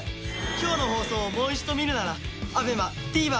今日の放送をもう一度見るならＡＢＥＭＡＴＶｅｒで。